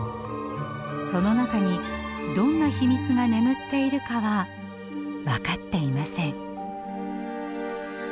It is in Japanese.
その中にどんな秘密が眠っているかは分かっていません。